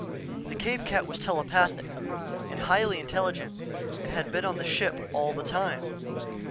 The cave cat was telepathic and highly intelligent and had been on the ship all the time.